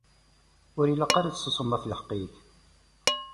Ur ilaq ara ad tessusmeḍ ɣef lḥeqq-ik!